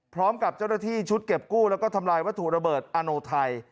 พร้อมกับเจ้าหน้าที่ชุดเก็บกู้แล้วก็ทำลายวัตถุระเบิดอโนไทย